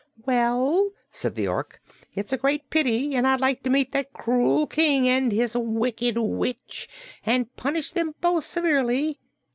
"Well," said the Ork, "it's a great pity, and I'd like to meet that cruel King and his Wicked Witch and punish them both severely.